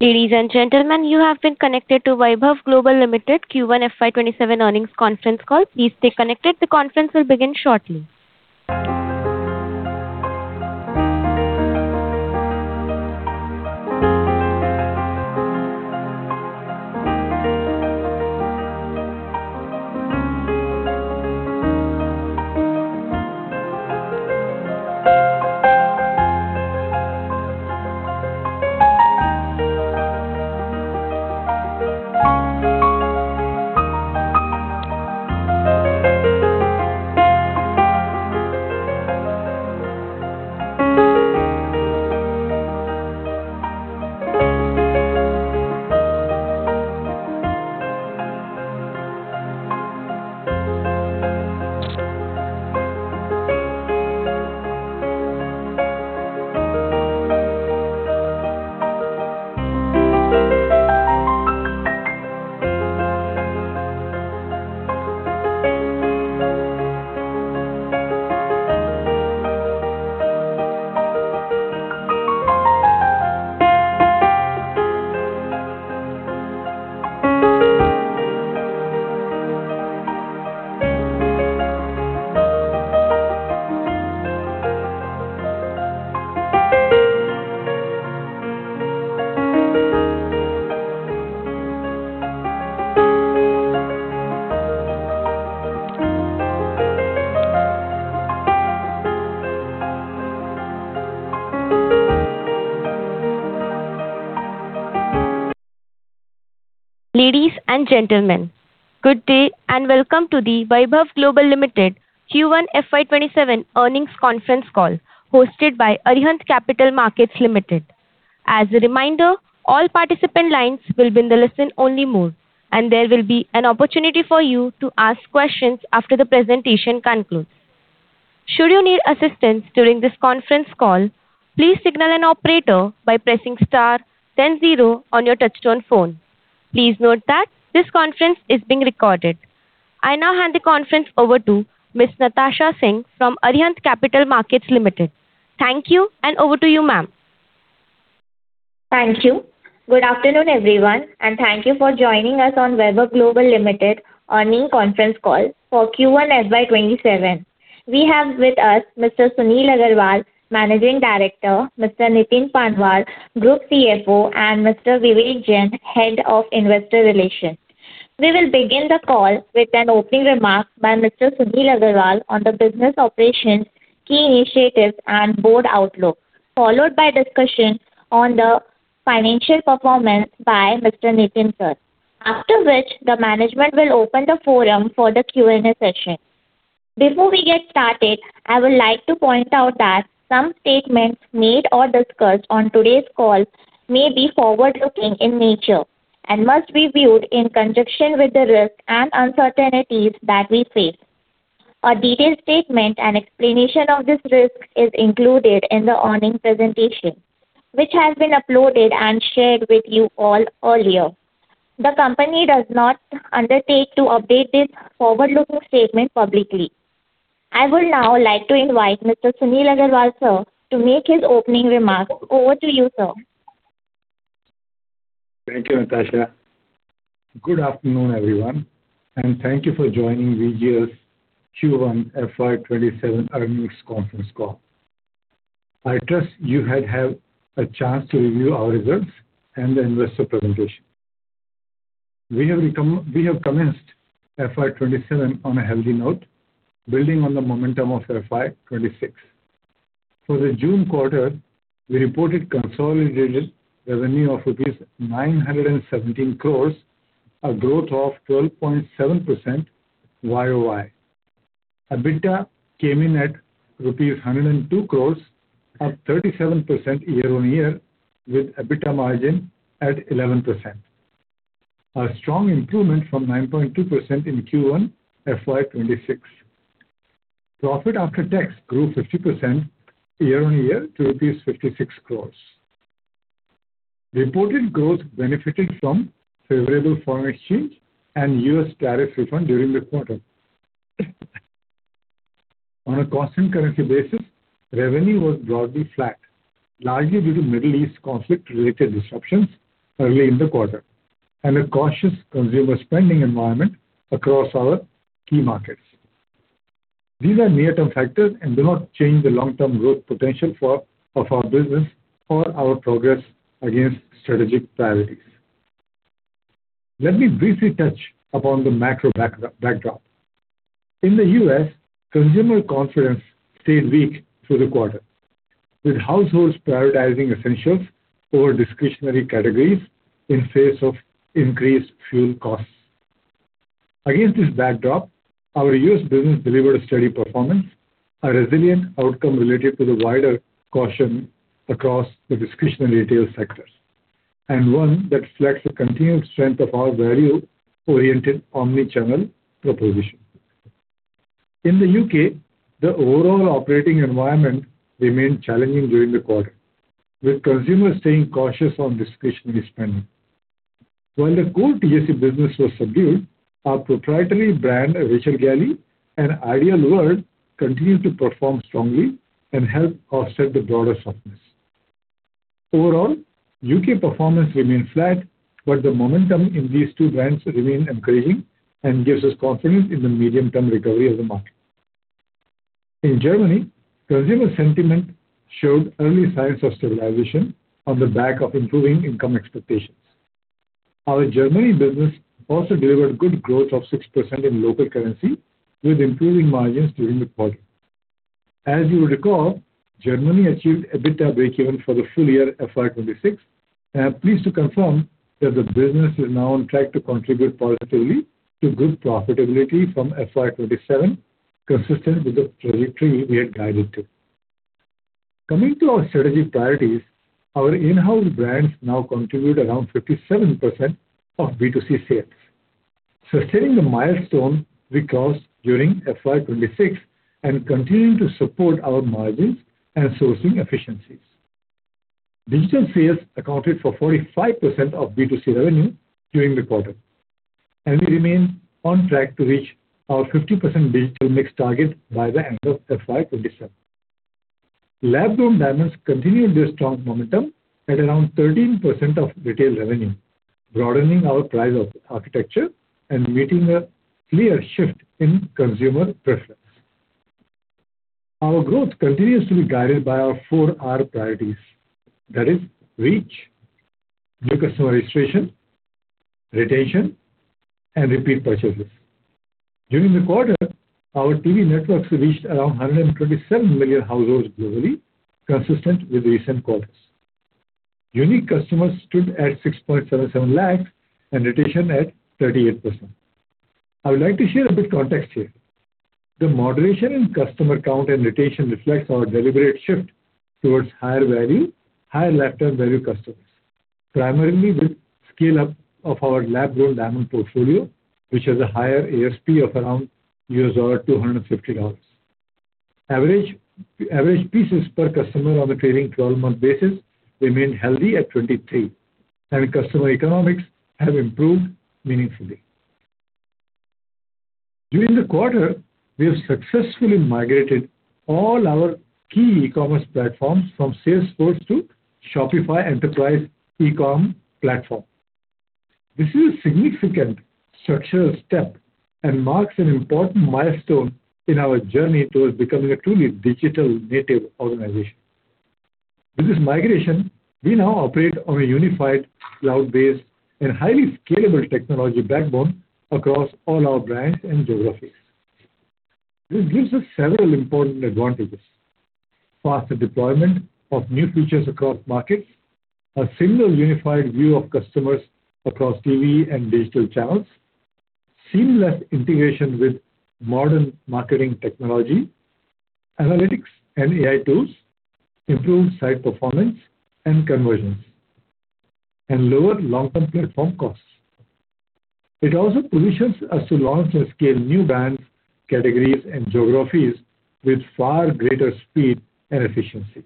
Ladies and gentlemen, you have been connected to Vaibhav Global Limited Q1 FY 2027 earnings conference call. Please stay connected. The conference will begin shortly. Ladies and gentlemen, good day and welcome to the Vaibhav Global Limited Q1 FY 2027 earnings conference call hosted by Arihant Capital Markets Ltd. As a reminder, all participant lines will be in the listen-only mode, and there will be an opportunity for you to ask questions after the presentation concludes. Should you need assistance during this conference call, please signal an operator by pressing star then zero on your touchtone phone. Please note that this conference is being recorded. I now hand the conference over to Ms. Natasha Singh from Arihant Capital Markets Ltd. Thank you, and over to you, ma'am. Thank you. Good afternoon, everyone, and thank you for joining us on Vaibhav Global Limited earnings conference call for Q1 FY 2027. We have with us Mr. Sunil Agrawal, Managing Director, Mr. Nitin Panwad, Group CFO, and Mr. Vivek Jain, Head of Investor Relations. We will begin the call with an opening remark by Mr. Sunil Agrawal on the business operations, key initiatives, and board outlook, followed by discussion on the financial performance by Mr. Nitin sir. After which the management will open the forum for the Q&A session. Before we get started, I would like to point out that some statements made or discussed on today's call may be forward-looking in nature and must be viewed in conjunction with the risks and uncertainties that we face. A detailed statement and explanation of this risk is included in the earnings presentation, which has been uploaded and shared with you all earlier. The company does not undertake to update this forward-looking statement publicly. I would now like to invite Mr. Sunil Agrawal, sir, to make his opening remarks. Over to you, sir. Thank you, Natasha. Good afternoon, everyone, and thank you for joining VGL's Q1 FY 2027 earnings conference call. I trust you had a chance to review our results and the investor presentation. We have commenced FY 2027 on a healthy note, building on the momentum of FY 2026. For the June quarter, we reported consolidated revenue of rupees 917 crore, a growth of 12.7% YoY. EBITDA came in at rupees 102 crore, up 37% year-on-year, with EBITDA margin at 11%. A strong improvement from 9.2% in Q1 FY 2026. Profit after tax grew 50% year-on-year to rupees 56 crore. Reported growth benefiting from favorable foreign exchange and U.S. tariff refund during the quarter. On a constant currency basis, revenue was broadly flat, largely due to Middle East conflict related disruptions early in the quarter and a cautious consumer spending environment across our key markets. These are near-term factors and do not change the long-term growth potential of our business or our progress against strategic priorities. Let me briefly touch upon the macro backdrop. In the U.S., consumer confidence stayed weak through the quarter, with households prioritizing essentials over discretionary categories in face of increased fuel costs. Against this backdrop, our U.S. business delivered a steady performance, a resilient outcome relative to the wider caution across the discretionary retail sectors, and one that reflects the continued strength of our value-oriented omni-channel proposition. In the U.K., the overall operating environment remained challenging during the quarter, with consumers staying cautious on discretionary spending, while the core TJC business was subdued. Our proprietary brand, Rachel Galley and Ideal World, continued to perform strongly and helped offset the broader softness. Overall, U.K. performance remained flat. The momentum in these two brands remains encouraging and gives us confidence in the medium-term recovery of the market. In Germany, consumer sentiment showed early signs of stabilization on the back of improving income expectations. Our Germany business also delivered good growth of 6% in local currency, with improving margins during the quarter. As you recall, Germany achieved EBITDA breakeven for the full year FY 2026, and I'm pleased to confirm that the business is now on track to contribute positively to good profitability from FY 2027, consistent with the trajectory we had guided to. Coming to our strategy priorities, our in-house brands now contribute around 57% of B2C sales, sustaining the milestone we crossed during FY 2026 and continuing to support our margins and sourcing efficiencies. Digital sales accounted for 45% of B2C revenue during the quarter, and we remain on track to reach our 50% digital mix target by the end of FY 2027. Lab-grown diamonds continued their strong momentum at around 13% of retail revenue, broadening our price architecture and meeting a clear shift in consumer preference. Our growth continues to be guided by our four R priorities. That is, reach, new customer registration, retention, and repeat purchases. During the quarter, our TV networks reached around 127 million households globally, consistent with recent quarters. Unique customers stood at 677,000 and retention at 38%. I would like to share a bit context here. The moderation in customer count and retention reflects our deliberate shift towards higher value, higher lifetime value customers, primarily with scale-up of our lab-grown diamond portfolio, which has a higher ASP of around $250. Average pieces per customer on a trailing 12-month basis remained healthy at 23, and customer economics have improved meaningfully. During the quarter, we have successfully migrated all our key e-commerce platforms from Salesforce to Shopify Enterprise ecom platform. This is a significant structural step and marks an important milestone in our journey towards becoming a truly digital-native organization. With this migration, we now operate on a unified, cloud-based, and highly scalable technology backbone across all our brands and geographies. This gives us several important advantages. Faster deployment of new features across markets, a single unified view of customers across TV and digital channels, seamless integration with modern marketing technology, analytics and AI tools, improved site performance and conversions, and lower long-term platform costs. It also positions us to launch and scale new brands, categories, and geographies with far greater speed and efficiency.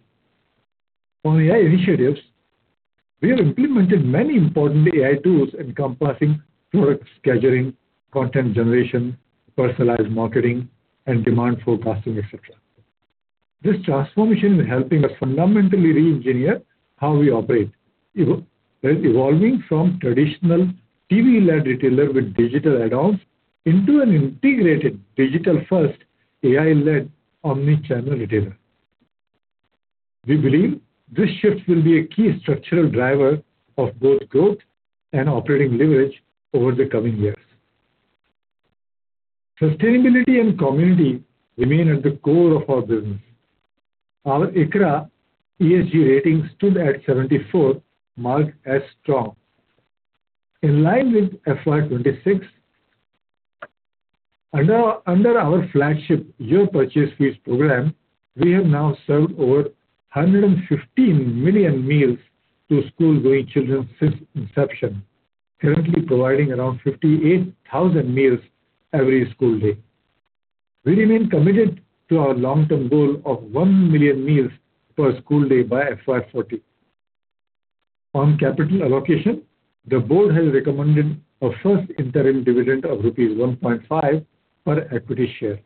On AI initiatives, we have implemented many important AI tools encompassing product scheduling, content generation, personalized marketing, and demand forecasting, et cetera. This transformation is helping us fundamentally re-engineer how we operate, evolving from traditional TV-led retailer with digital add-ons into an integrated, digital-first, AI-led, omni-channel retailer. We believe this shift will be a key structural driver of both growth and operating leverage over the coming years. Sustainability and community remain at the core of our business. Our ICRA ESG rating stood at 74, marked as strong. In line with FY 2026, under our flagship Your Purchase Feeds program, we have now served over 115 million meals to school-going children since inception, currently providing around 58,000 meals every school day. We remain committed to our long-term goal of 1 million meals per school day by FY 2040. On capital allocation, the board has recommended a first interim dividend of rupees 1.5 per equity share.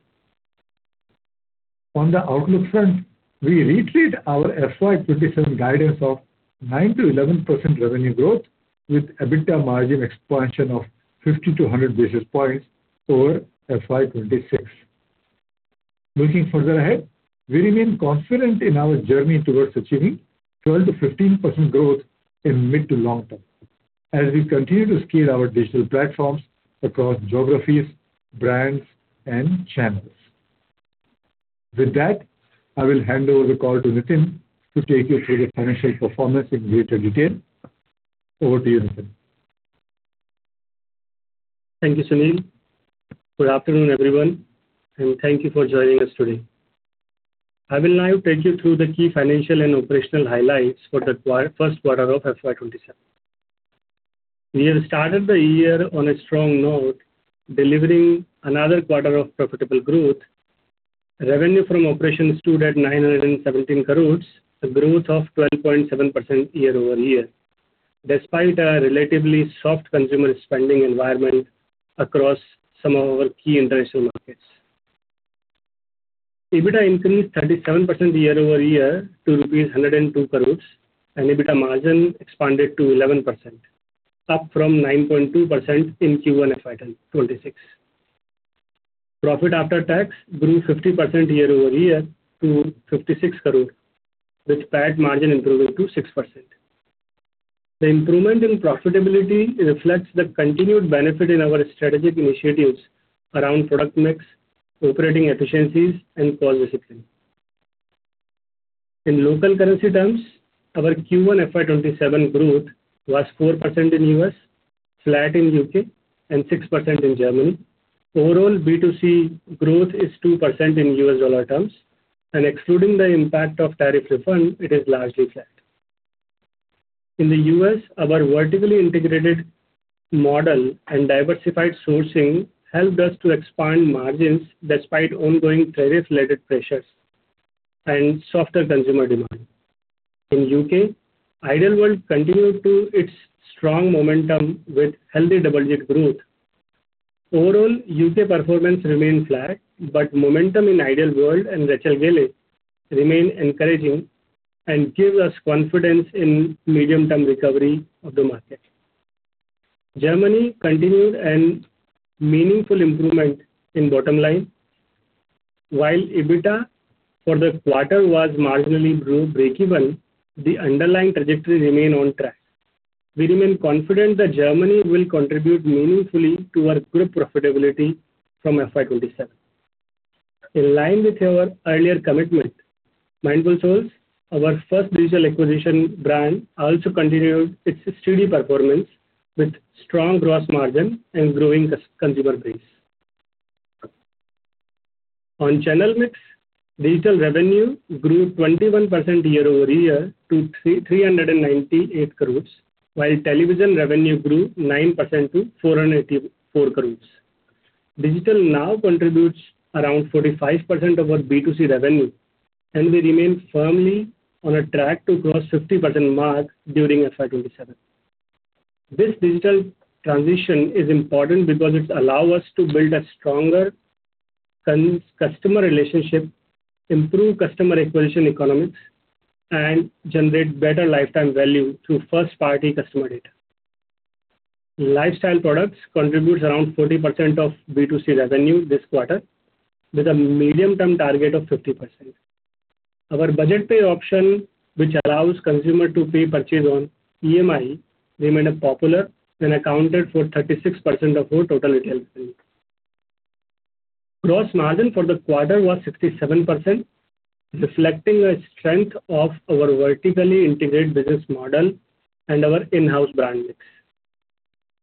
On the outlook front, we reiterate our FY 2027 guidance of 9%-11% revenue growth, with EBITDA margin expansion of 50 to 100 basis points over FY 2026. Looking further ahead, we remain confident in our journey towards achieving 12%-15% growth in mid to long term as we continue to scale our digital platforms across geographies, brands, and channels. With that, I will hand over the call to Nitin to take you through the financial performance in greater detail. Over to you, Nitin. Thank you, Sunil. Good afternoon, everyone, and thank you for joining us today. I will now take you through the key financial and operational highlights for the first quarter of FY 2027. We have started the year on a strong note, delivering another quarter of profitable growth. Revenue from operations stood at 917 crore, a growth of 12.7% year-over-year, despite a relatively soft consumer spending environment across some of our key international markets. EBITDA increased 37% year-over-year to rupees 102 crore and EBITDA margin expanded to 11%, up from 9.2% in Q1 FY 2026. Profit after tax grew 50% year-over-year to 56 crore, with PAT margin improving to 6%. The improvement in profitability reflects the continued benefit in our strategic initiatives around product mix, operating efficiencies, and cost discipline. In local currency terms, our Q1 FY 2027 growth was 4% in U.S., flat in U.K., and 6% in Germany. Overall, B2C growth is 2% in U.S. dollar terms and excluding the impact of tariff refund, it is largely flat. In the U.S., our vertically integrated model and diversified sourcing helped us to expand margins despite ongoing tariff-related pressures and softer consumer demand. In U.K., Ideal World continued to its strong momentum with healthy double-digit growth. Overall, U.K. performance remains flat, but momentum in Ideal World and Rachel Galley remain encouraging and gives us confidence in medium-term recovery of the market. Germany continued an meaningful improvement in bottom line. While EBITDA for the quarter was marginally breakeven, the underlying trajectory remain on track. We remain confident that Germany will contribute meaningfully to our group profitability from FY 2027. In line with our earlier commitment, Mindful Souls, our first digital acquisition brand, also continued its steady performance with strong gross margin and growing consumer base. On channel mix, digital revenue grew 21% year-over-year to 398 crore, while television revenue grew 9% to 484 crore. Digital now contributes around 45% of our B2C revenue, and we remain firmly on a track to cross 50% mark during FY 2027. This digital transition is important because it allows us to build a stronger customer relationship, improve customer acquisition economics, and generate better lifetime value through first-party customer data. Lifestyle products contribute around 40% of B2C revenue this quarter, with a medium-term target of 50%. Our budget pay option, which allows consumer to pay purchase on EMI, remained popular and accounted for 36% of our total retail revenue. Gross margin for the quarter was 67%, reflecting the strength of our vertically integrated business model and our in-house brand mix.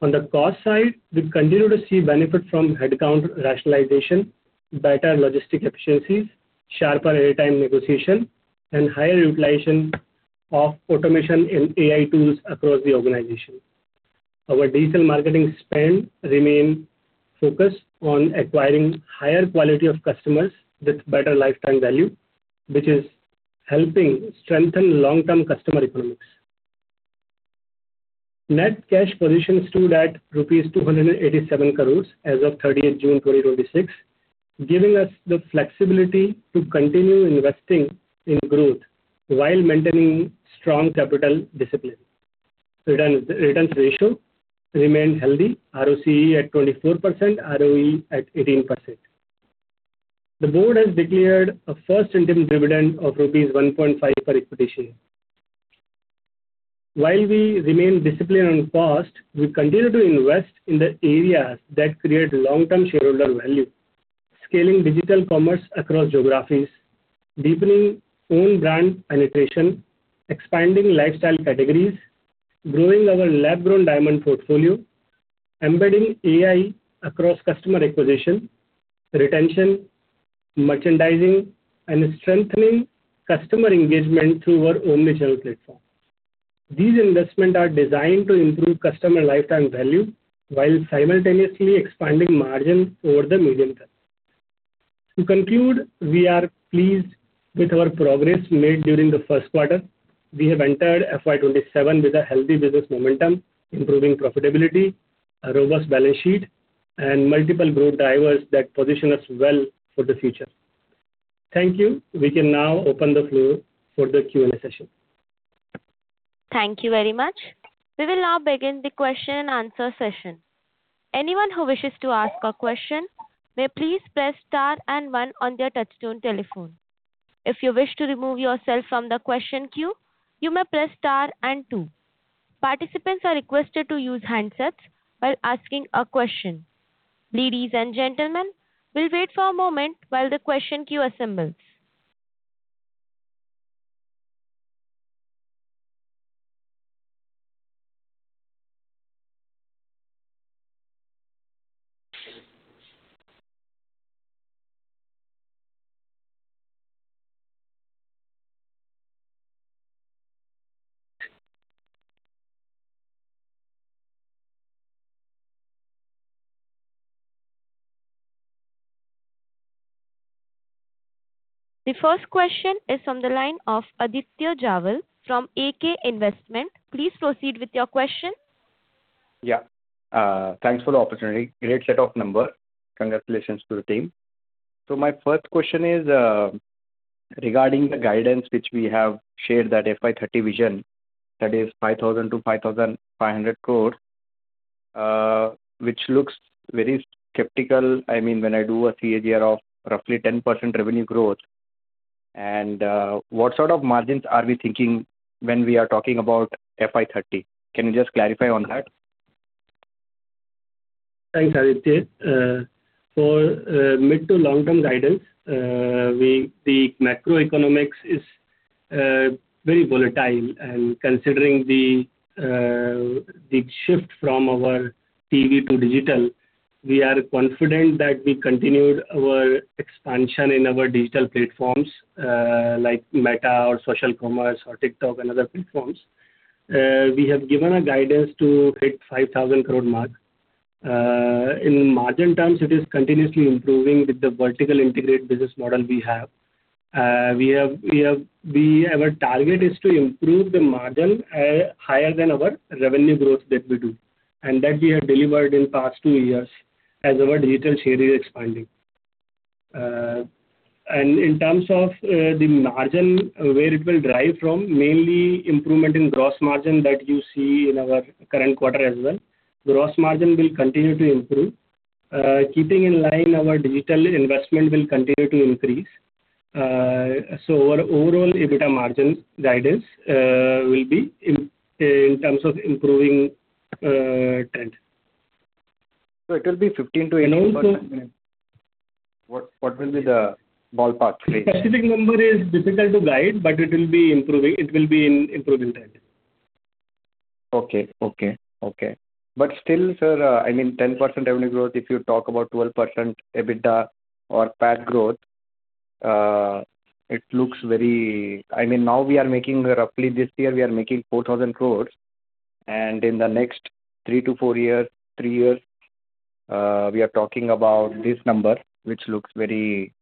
On the cost side, we continue to see benefit from headcount rationalization, better logistic efficiencies, sharper airtime negotiation, and higher utilization of automation and AI tools across the organization. Our digital marketing spend remain focused on acquiring higher quality of customers with better lifetime value, which is helping strengthen long-term customer economics. Net cash position stood at rupees 287 crore as of 30th June 2026, giving us the flexibility to continue investing in growth while maintaining strong capital discipline. Returns ratio remained healthy, ROCE at 24%, ROE at 18%. The board has declared a first interim dividend of rupees 1.5 per equity share. While we remain disciplined on cost, we continue to invest in the areas that create long-term shareholder value, scaling digital commerce across geographies, deepening own brand penetration, expanding lifestyle categories, growing our lab-grown diamond portfolio, embedding AI across customer acquisition, retention, merchandising, and strengthening customer engagement through our own digital platform. These investments are designed to improve customer lifetime value while simultaneously expanding margin over the medium term. To conclude, we are pleased with our progress made during the first quarter. We have entered FY 2027 with a healthy business momentum, improving profitability, a robust balance sheet, and multiple growth drivers that position us well for the future. Thank you. We can now open the floor for the Q&A session. Thank you very much. We will now begin the question and answer session. Anyone who wishes to ask a question may please press star and one on their touch-tone telephone. If you wish to remove yourself from the question queue, you may press star and two. Participants are requested to use handsets while asking a question. Ladies and gentlemen, we'll wait for a moment while the question queue assembles. The first question is on the line of [Aditya Jhawar] from AK Investments. Please proceed with your question. Yeah. Thanks for the opportunity. Great set of number. Congratulations to the team. My first question is regarding the guidance which we have shared that FY 2030 vision, that is 5,000 crore-5,500 crore, which looks very skeptical. When I do a CAGR of roughly 10% revenue growth. What sort of margins are we thinking when we are talking about FY 2030? Can you just clarify on that? Thanks, Aditya. For mid to long-term guidance, the macroeconomics are very volatile. Considering the shift from our TV to digital, we are confident that we continued our expansion in our digital platforms, like Meta or social commerce or TikTok and other platforms. We have given a guidance to hit 5,000 crore mark. In margin terms, it is continuously improving with the vertical integrated business model we have. Our target is to improve the margin higher than our revenue growth that we do. That we have delivered in past two years as our digital share is expanding. In terms of the margin, where it will drive from, mainly improvement in gross margin that you see in our current quarter as well. Gross margin will continue to improve. Keeping in line, our digital investment will continue to increase. Our overall EBITDA margin guidance will be in terms of improving trend. It will be 15%-18%? And also— What will be the ballpark range? Specific number is difficult to guide, but it will be improving. It will be in improving trend. Okay. Still, sir, 10% revenue growth, if you talk about 12% EBITDA or PAT growth, roughly this year, we are making 4,000 crore. In the next three to four years, three years, we are talking about this number, it's very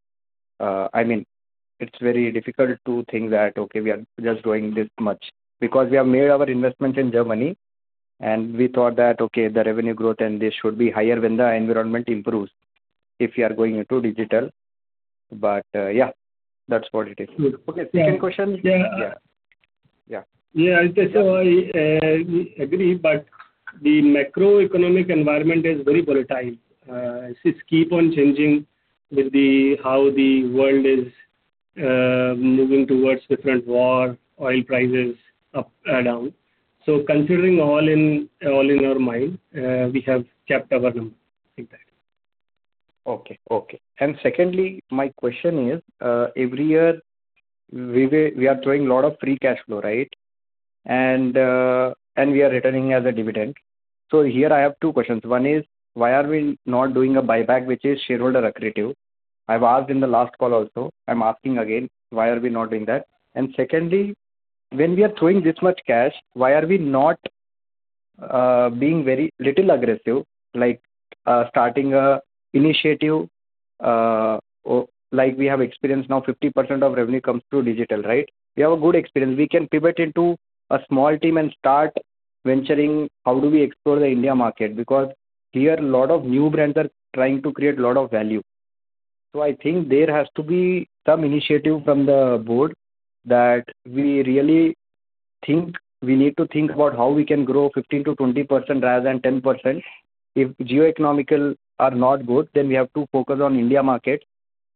difficult to think that, okay, we are just growing this much. We have made our investments in Germany, and we thought that, okay, the revenue growth and this should be higher when the environment improves if we are going into digital. Yeah, that's what it is. Okay. Second question. Yeah. Yeah. Aditya. I agree, the macroeconomic environment is very volatile. It keeps on changing with how the world is moving towards different war, oil prices up and down. Considering all in our mind, we have kept our number like that. Okay. Secondly, my question is, every year we are throwing lot of free cash flow, right? We are returning as a dividend. Here I have two questions. One is, why are we not doing a buyback which is shareholder accretive? I've asked in the last call also. I'm asking again, why are we not doing that? Secondly, when we are throwing this much cash, why are we not being very little aggressive, like starting an initiative, like we have experience now 50% of revenue comes through digital, right? We have a good experience. We can pivot into a small team and start venturing how do we explore the India market. Because here, lot of new brands are trying to create lot of value. I think there has to be some initiative from the board that we need to think about how we can grow 15%-20% rather than 10%. If geoeconomical are not good, we have to focus on India market,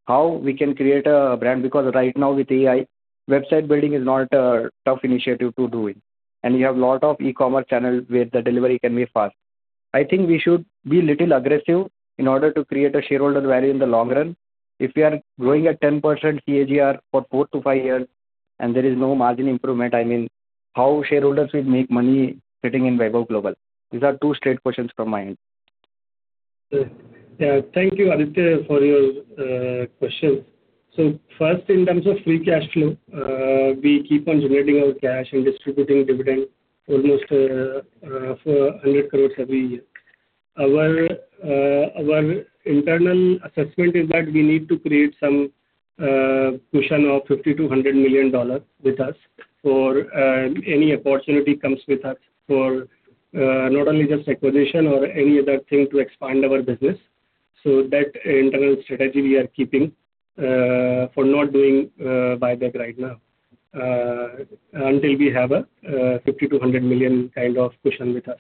how we can create a brand, because right now with AI, website building is not a tough initiative to do it. You have lot of e-commerce channel where the delivery can be fast. I think we should be little aggressive in order to create a shareholder value in the long run. If we are growing at 10% CAGR for four to five years and there is no margin improvement, how shareholders will make money sitting in Vaibhav Global? These are two straight questions from my end. Thank you, Aditya, for your questions. First, in terms of free cash flow, we keep on generating our cash and distributing dividend almost of 100 crore every year. Our internal assessment is that we need to create some cushion of $50 million-$100 million with us for any opportunity comes with us, for not only just acquisition or any other thing to expand our business. That internal strategy we are keeping for not doing buyback right now, until we have a $50 million-$100 million kind of cushion with us.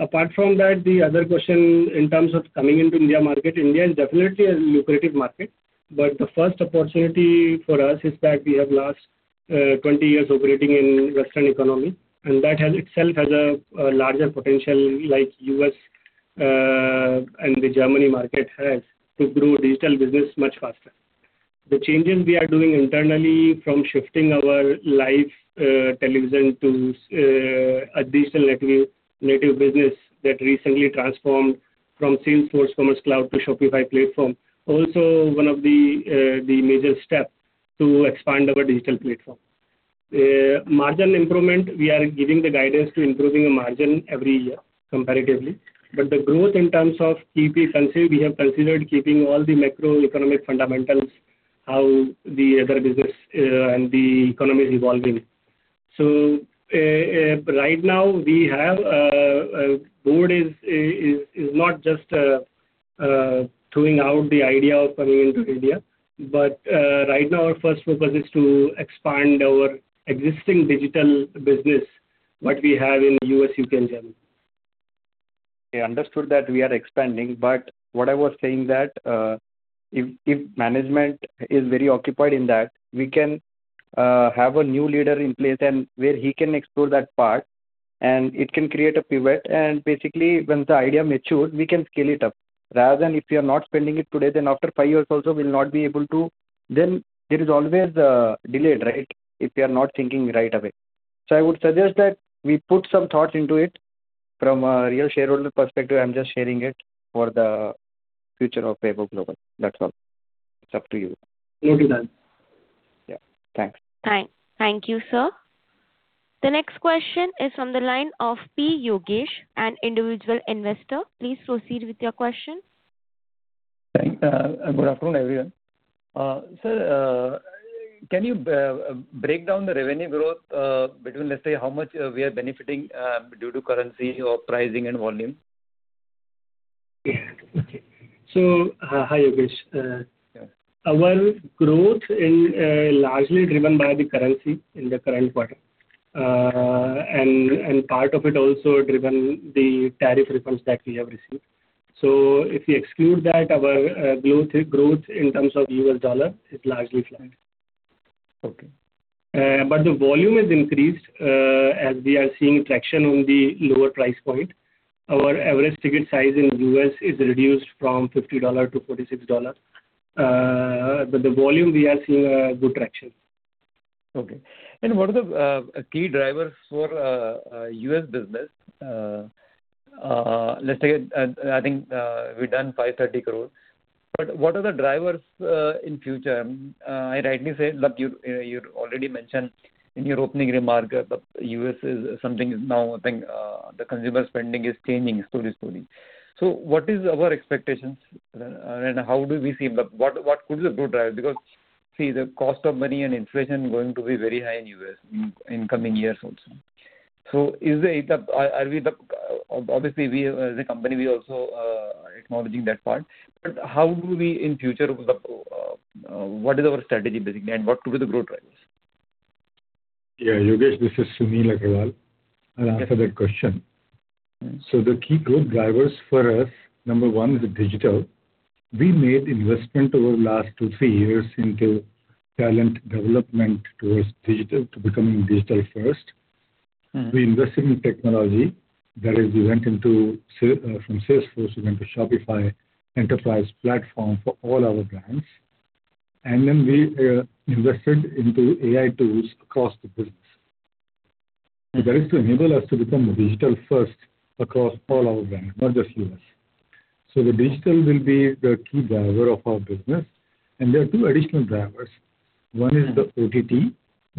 Apart from that, the other question in terms of coming into India market, India is definitely a lucrative market. The first opportunity for us is that we have last 20 years operating in Western economy, that has itself has a larger potential like U.S. and the Germany market has to grow digital business much faster. The changes we are doing internally from shifting our live television to a digital native business that recently transformed from Salesforce Commerce Cloud to Shopify platform, also one of the major step to expand our digital platform. Margin improvement, we are giving the guidance to improving the margin every year comparatively. The growth in terms of EPS, we have considered keeping all the macroeconomic fundamentals, how the other business and the economy is evolving. Right now, the board is not just throwing out the idea of coming into India. Right now, our first focus is to expand our existing digital business, what we have in U.S. you can say. I understood that we are expanding, but what I was saying that if management is very occupied in that, we can have a new leader in place and where he can explore that part, and it can create a pivot. Basically, once the idea matures, we can scale it up. Rather than if you're not spending it today, after five years also, we'll not be able to. There is always a delay, right? If we are not thinking right away. I would suggest that we put some thought into it. From a real shareholder perspective, I'm just sharing it for the future of Vaibhav Global. That's all. It's up to you. Will be done. Yeah. Thanks. Thank you, sir. The next question is on the line of [P. Yogesh], an individual investor. Please proceed with your question. Good afternoon, everyone. Sir, can you break down the revenue growth between, let's say, how much we are benefiting due to currency or pricing and volume? Yeah. Okay. Hi, Yogesh. Yeah. Our growth is largely driven by the currency in the current quarter. Part of it also driven the tariff refunds that we have received. If you exclude that, our growth in terms of U.S. dollar is largely flat. Okay. The volume is increased, as we are seeing traction on the lower price point. Our average ticket size in U.S. is reduced from $50 to $46. The volume, we are seeing good traction. What are the key drivers for U.S. business? I think we've done 530 crore. What are the drivers in future? I rightly say, you already mentioned in your opening remark that U.S. is something is now, I think the consumer spending is changing slowly. What is our expectations? What could be the growth driver? Because, see, the cost of money and inflation going to be very high in U.S. in coming years also. Obviously, as a company, we're also acknowledging that part. What is our strategy basically, and what could be the growth drivers? Yeah, Yogesh. This is Sunil Agrawal. I'll answer that question. The key growth drivers for us, number one is digital. We made investment over last two, three years into talent development towards digital to becoming digital first. We invested in technology. That is, from Salesforce, we went to Shopify Enterprise platform for all our brands. Then we invested into AI tools across the business. That is to enable us to become digital first across all our brands, not just U.S. The digital will be the key driver of our business. There are two additional drivers. One is the OTT,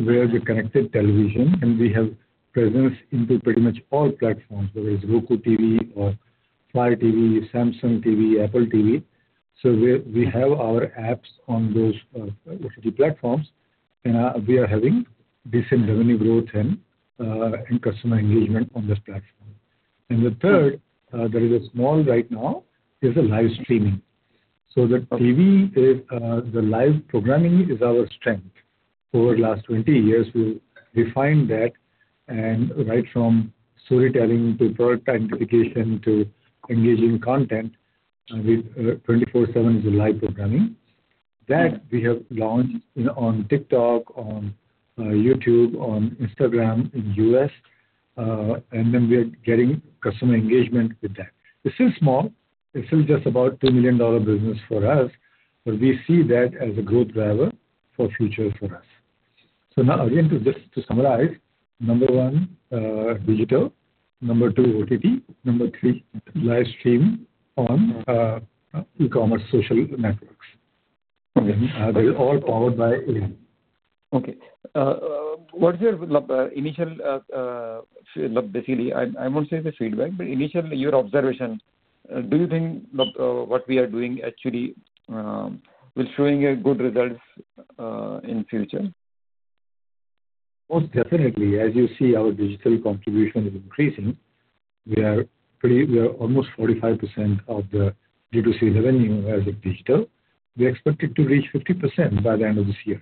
where the connected television, we have presence into pretty much all platforms, whether it's Roku TV or Fire TV, Samsung TV, Apple TV. We have our apps on those OTT platforms. We are having decent revenue growth and customer engagement on this platform. The third, that is small right now, is the live streaming. The TV, the live programming is our strength. Over last 20 years, we refined that, and right from storytelling to product identification to engaging content, with 24/7 is a live programming. That we have launched on TikTok, on YouTube, on Instagram in U.S., and then we are getting customer engagement with that. It's still small. It's still just about $2 million business for us. But we see that as a growth driver for future for us. Now again, just to summarize, number one, digital. Number two, OTT. Number 3, live stream on e-commerce social networks. Okay. That is all powered by AI. Okay. What's your initial, basically, I won't say the feedback, but initially, your observation, do you think what we are doing actually is showing a good results in future? Most definitely. As you see, our digital contribution is increasing. We are almost 45% of the D2C revenue as of digital. We expect it to reach 50% by the end of this year.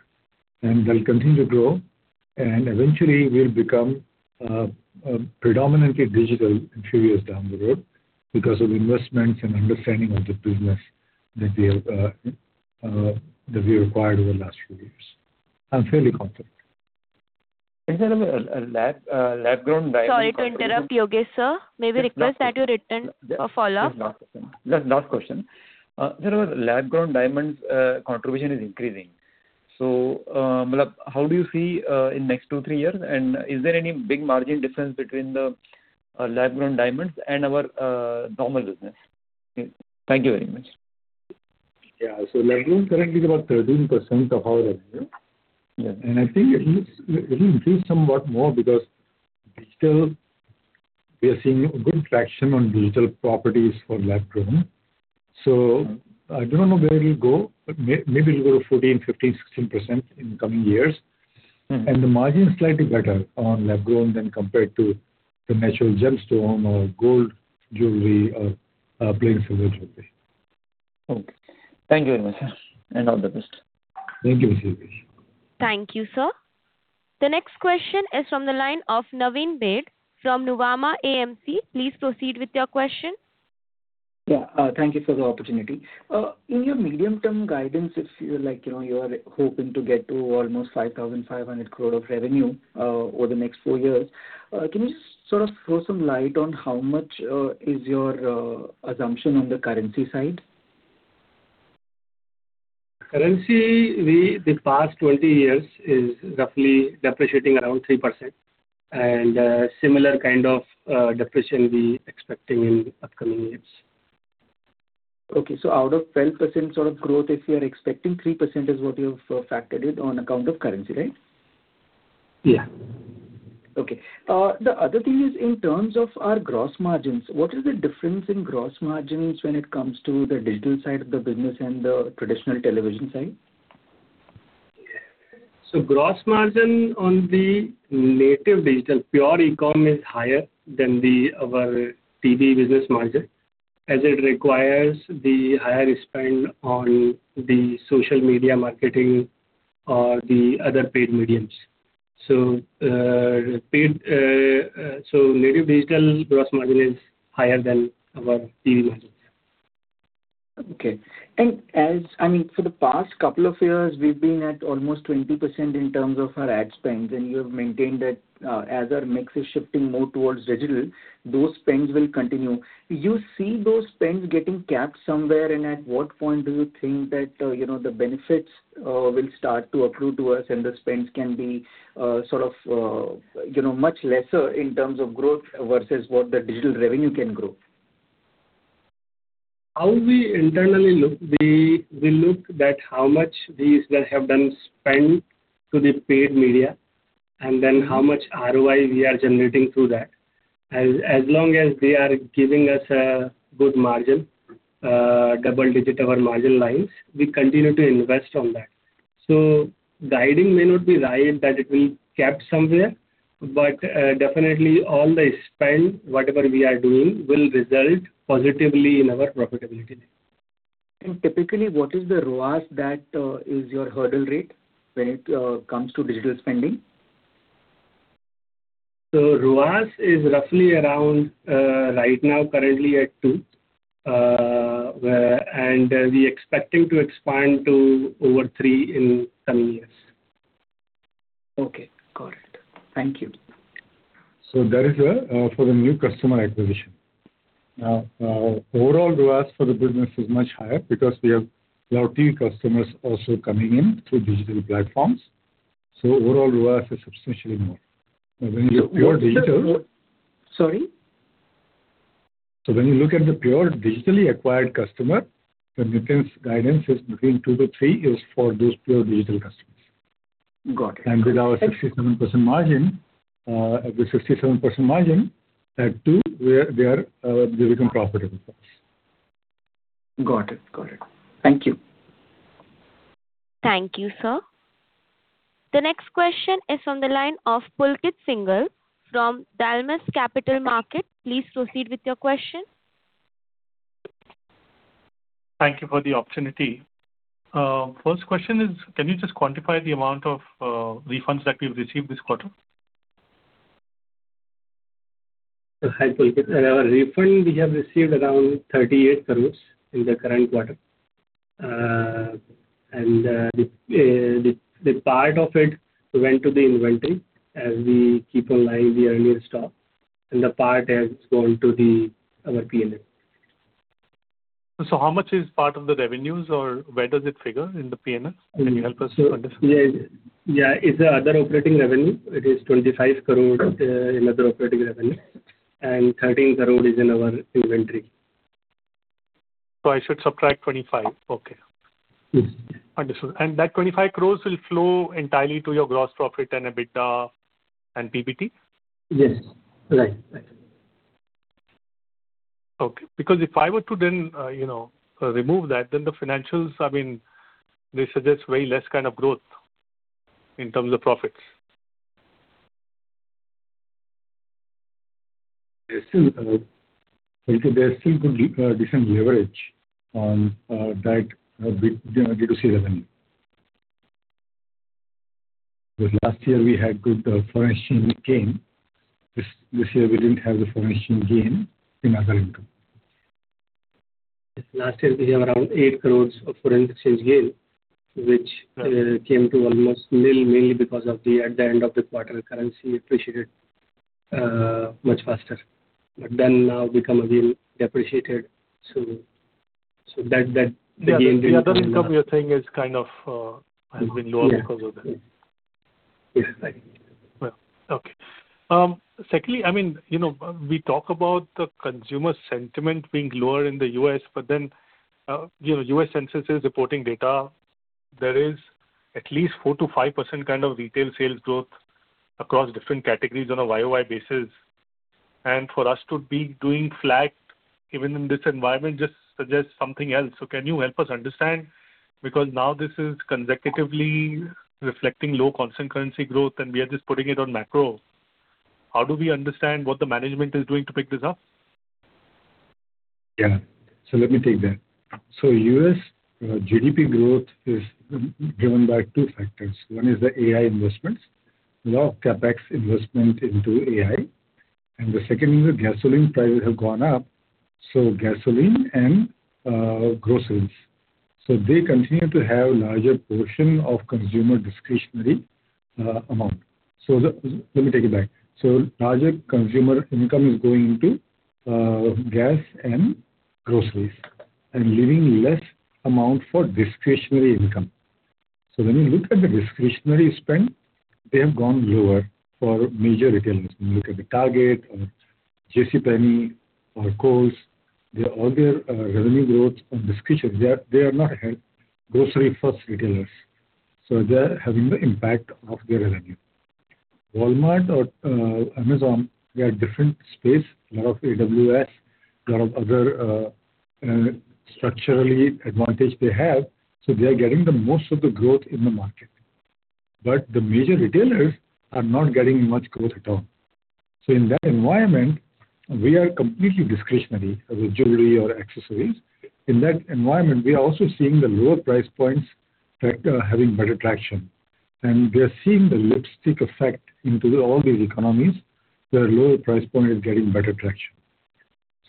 It will continue to grow, and eventually we'll become predominantly digital in few years down the road because of investments and understanding of the business that we acquired over the last few years. I'm fairly confident. Is there lab-grown diamond contribution— Sorry to interrupt, Yogesh, sir. May we request that you return for follow-up? Just last question. Sir, lab-grown diamonds contribution is increasing. How do you see in next two, three years? Is there any big margin difference between the lab-grown diamonds and our normal business? Thank you very much. Yeah. Lab-grown currently is about 13% of our revenue. Yeah. I think it will increase somewhat more because we are seeing good traction on digital properties for lab grown. I do not know where it will go, but maybe it will go 14%, 15%, 16% in the coming years. The margin is slightly better on lab grown than compared to the natural gemstone or gold jewelry or plain silver jewelry. Okay. Thank you very much, sir. All the best. Thank you, Mr. Yogesh. Thank you, sir. The next question is from the line of Naveen Baid from Nuvama AMC. Please proceed with your question. Thank you for the opportunity. In your medium-term guidance, if you are hoping to get to almost 5,500 crore of revenue over the next four years, can you just sort of throw some light on how much is your assumption on the currency side? Currency, the past 20 years is roughly depreciating around 3%. Similar kind of depreciation we're expecting in upcoming years. Out of 12% sort of growth, if you are expecting 3%, is what you've factored it on account of currency, right? Yeah. Okay. The other thing is in terms of our gross margins, what is the difference in gross margins when it comes to the digital side of the business and the traditional television side? Gross margin on the native digital pure e-com is higher than our TV business margin, as it requires the higher spend on the social media marketing or the other paid mediums. Native digital gross margin is higher than our TV margins. Okay. For the past couple of years, we've been at almost 20% in terms of our ad spend, and you have maintained that as our mix is shifting more towards digital, those spends will continue. Do you see those spends getting capped somewhere? At what point do you think that the benefits will start to accrue to us and the spends can be much lesser in terms of growth versus what the digital revenue can grow? How we internally look, we look that how much these guys have done spend to the paid media, and then how much ROI we are generating through that. As long as they are giving us a good margin, double-digit over margin lines, we continue to invest on that. Guiding may not be reliant that it will cap somewhere, but definitely all the spend, whatever we are doing, will result positively in our profitability. Typically, what is the ROAS that is your hurdle rate when it comes to digital spending? ROAS is roughly around right now currently at 2, and we are expecting to expand to over 3 in some years. Okay. Got it. Thank you. That is for the new customer acquisition. Now, overall ROAS for the business is much higher because we have loyalty customers also coming in through digital platforms. Overall ROAS is substantially more. Sorry? When you look at the pure digitally acquired customer, the maintenance guidance is between 2-3 is for those pure digital customers. Got it. With our 67% margin, at 2, they become profitable for us. Got it. Thank you. Thank you, sir. The next question is on the line of Pulkit Singhal from Dalmus Capital Management. Please proceed with your question. Thank you for the opportunity. First question is, can you just quantify the amount of refunds that you've received this quarter? Hi, Pulkit. Our refund, we have received around 38 crore in the current quarter. The part of it went to the inventory as we keep on live the earlier stock, and the part has gone to our P&L. How much is part of the revenues, or where does it figure in the P&L? Can you help us to understand? Yeah, it is other operating revenue. It is 25 crore in other operating revenue, and 13 crore is in our inventory. I should subtract 25. Okay. Yes. Understood. That 25 crore will flow entirely to your gross profit and EBITDA and PBT? Yes. Right. Okay. If I were to then remove that, then the financials, they suggest way less kind of growth in terms of profits. Pulkit, there's still good decent leverage on that B2C revenue. Last year we had good foreign exchange gain. This year we didn't have the foreign exchange gain in other income. Last year we have around 8 crore of foreign exchange gain, which came to almost nil mainly because of at the end of the quarter currency appreciated much faster. Become again depreciated. That gain didn't come. The other income you're saying has been low because of that. Yes. Well, okay. Secondly, we talk about the consumer sentiment being lower in the U.S., but then U.S. Census is reporting data. There is at least 4%-5% retail sales growth across different categories on a YoY basis. For us to be doing flat, even in this environment, just suggests something else. Can you help us understand? Because now this is consecutively reflecting low constant currency growth, and we are just putting it on macro. How do we understand what the management is doing to pick this up? Yeah. Let me take that. U.S. GDP growth is driven by two factors. One is the AI investments. A lot of CapEx investment into AI. The second is the gasoline prices have gone up. Gasoline and groceries. They continue to have larger portion of consumer discretionary amount. Let me take it back. Larger consumer income is going into gas and groceries and leaving less amount for discretionary income. When you look at the discretionary spend, they have gone lower for major retailers. When you look at the Target or JCPenney or Kohl's, all their revenue growth on discretion, they are not grocery-first retailers. They're having the impact of their revenue. Walmart or Amazon, they are different space. A lot of AWS, lot of other structurally advantage they have. They are getting the most of the growth in the market. The major retailers are not getting much growth at all. In that environment, we are completely discretionary as a jewelry or accessories. In that environment, we are also seeing the lower price points having better traction. We are seeing the lipstick effect into all these economies, where lower price point is getting better traction.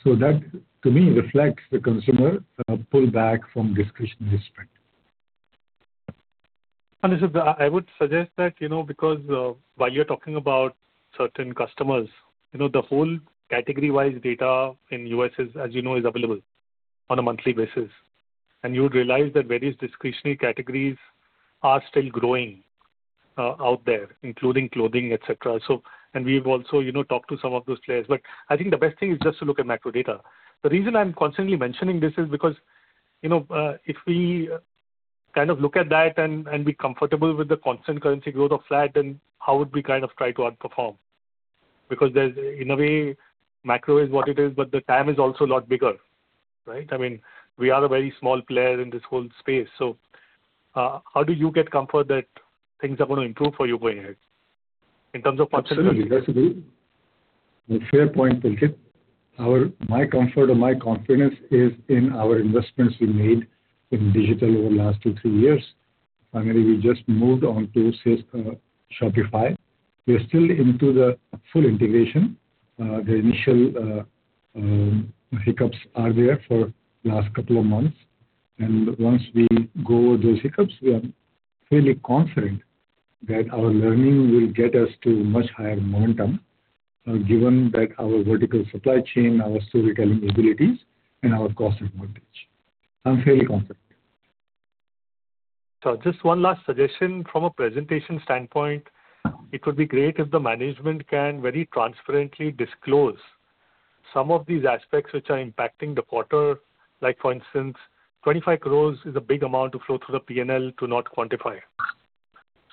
That to me reflects the consumer pull back from discretionary spend. Sunil sir, I would suggest that, because while you're talking about certain customers, the whole category-wise data in U.S., as you know, is available on a monthly basis. You would realize that various discretionary categories are still growing out there, including clothing, et cetera. We've also talked to some of those players. I think the best thing is just to look at macro data. The reason I'm constantly mentioning this is because, if we look at that and be comfortable with the constant currency growth of flat, how would we try to outperform? Because there's, in a way, macro is what it is, but the TAM is also a lot bigger, right? We are a very small player in this whole space. How do you get comfort that things are going to improve for you going ahead in terms of. Absolutely. That's a fair point, Pulkit. My comfort or my confidence is in our investments we made in digital over last two, three years. Finally, we just moved on to Shopify. We are still into the full integration. The initial hiccups are there for last couple of months. Once we go over those hiccups, we are fairly confident that our learning will get us to much higher momentum, given that our vertical supply chain, our store retailing abilities, and our cost advantage. I'm fairly confident. Just one last suggestion from a presentation standpoint. It would be great if the management can very transparently disclose some of these aspects which are impacting the quarter. Like for instance, 25 crore is a big amount to flow through the P&L to not quantify.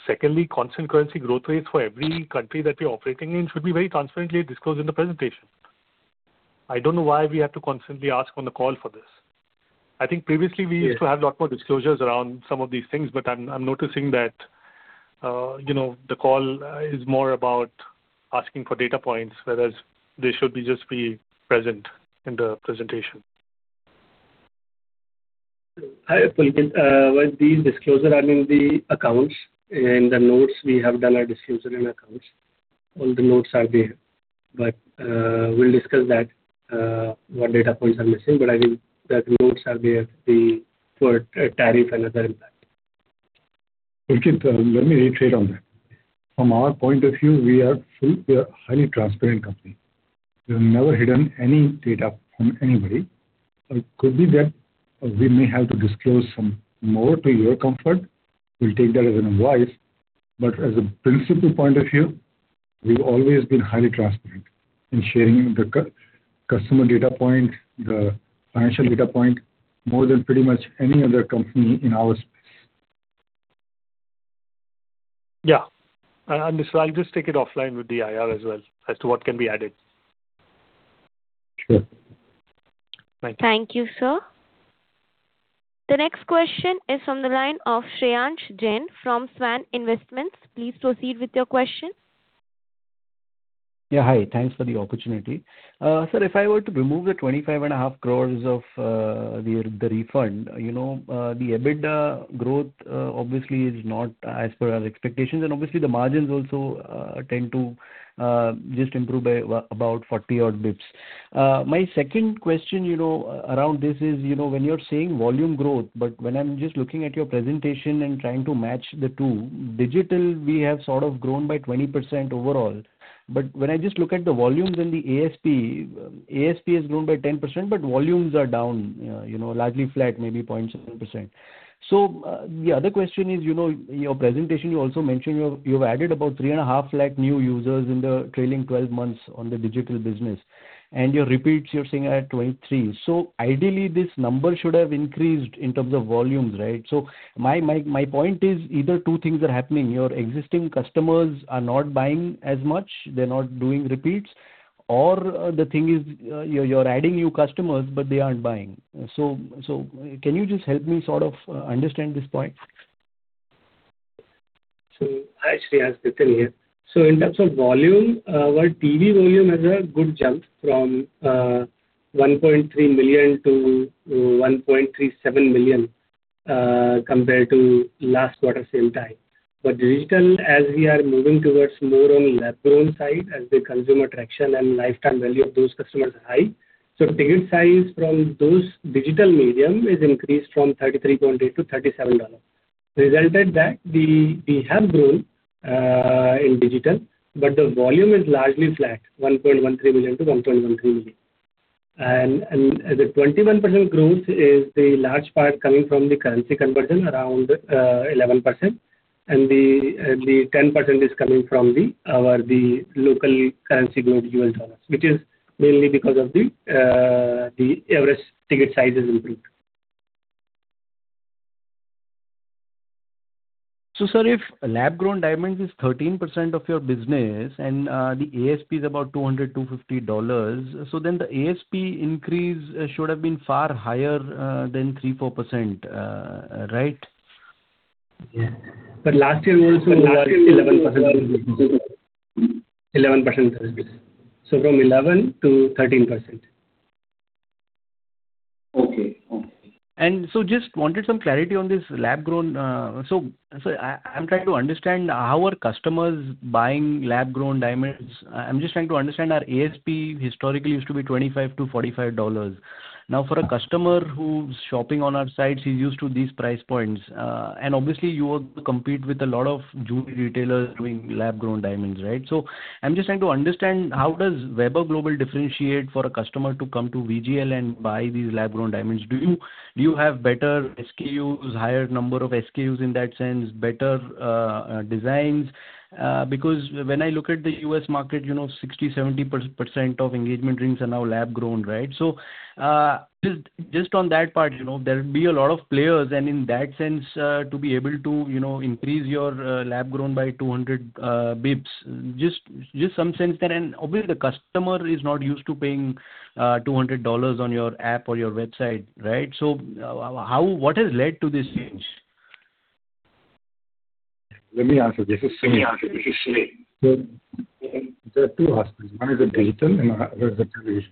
Secondly, constant currency growth rates for every country that we're operating in should be very transparently disclosed in the presentation. I don't know why we have to constantly ask on the call for this. I think previously we used to have lot more disclosures around some of these things, but I'm noticing that the call is more about asking for data points, whereas they should just be present in the presentation. Hi, Pulkit. Well, these disclosure are in the accounts. In the notes, we have done our disclosure in accounts. All the notes are there. We'll discuss that, what data points are missing. I think that notes are there for tariff and other impact. Pulkit, let me reiterate on that. From our point of view, we are a highly transparent company. We've never hidden any data from anybody. It could be that we may have to disclose some more to your comfort. We'll take that as an advice. As a principal point of view, we've always been highly transparent in sharing the customer data point, the financial data point, more than pretty much any other company in our space. I understand, I'll just take it offline with the IR as well, as to what can be added. Sure. Thank you. Thank you, sir. The next question is from the line of [Shreyansh Jain] from Svan Investments. Please proceed with your question. Hi, thanks for the opportunity. Sir, if I were to remove the 25.5 crore of the refund, the EBITDA growth obviously is not as per our expectations. Obviously the margins also tend to just improve by about 40-odd basis points. My second question around this is, when you're saying volume growth, when I'm just looking at your presentation and trying to match the two. Digital, we have sort of grown by 20% overall. When I just look at the volumes and the ASP has grown by 10%, but volumes are down, largely flat, maybe 0.7%. The other question is, in your presentation you also mentioned you've added about 350,000 new users in the trailing 12 months on the digital business, and your repeats you're seeing are at 23. Ideally, this number should have increased in terms of volumes, right? My point is either two things are happening. Your existing customers are not buying as much, they're not doing repeats, or the thing is you're adding new customers, but they aren't buying. Can you just help me sort of understand this point? Hi, Shreyansh. Nitin here. In terms of volume, our TV volume has had a good jump from 1.3 million to 1.37 million compared to last quarter same time. Digital, as we are moving towards more on lab-grown side as the consumer traction and lifetime value of those customers are high. Ticket size from those digital medium is increased from $33.80 to $37. Resulted that we have grown in digital, but the volume is largely flat, 1.13 million to 1.13 million. The 21% growth is the large part coming from the currency conversion, around 11%, and the 10% is coming from the local currency growth, U.S. dollars, which is mainly because of the average ticket sizes improved. Sir, if lab-grown diamonds is 13% of your business and the ASP is about $200, $250, the ASP increase should have been far higher than 3%, 4%, right? Yeah. Last year growth was 11%. From 11%-13%. Okay. Just wanted some clarity on this lab-grown. I am trying to understand how are customers buying lab-grown diamonds. I am just trying to understand our ASP historically used to be INR 25-INR 45. Now, for a customer who is shopping on our sites, he is used to these price points. Obviously you compete with a lot of jewelry retailers doing lab-grown diamonds, right? I am just trying to understand how does Vaibhav Global differentiate for a customer to come to VGL and buy these lab-grown diamonds. Do you have better SKUs, higher number of SKUs in that sense, better designs? Because when I look at the U.S. market, 60%-70% of engagement rings are now lab-grown, right? Just on that part, there will be a lot of players, and in that sense, to be able to increase your lab-grown by 200 basis points, just some sense there. Obviously, the customer is not used to paying $200 on your app or your website, right? What has led to this change? Let me answer this. This is Sunil. There are two aspects. One is the digital and the other is the television.